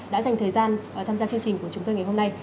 đã dành thời gian tham gia chương trình của chúng tôi ngày hôm nay